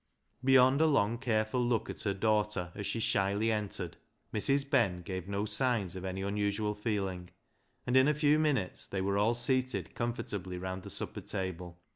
LEAH'S LOVER 113 Beyond a long careful look at her daughter as she shyly entered, Mrs. Ben gave no signs of any unusual feeling, and in a few minutes they were all seated comfortably round the supper table.